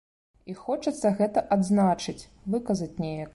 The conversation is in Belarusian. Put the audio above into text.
І хочацца гэта адзначыць, выказаць неяк.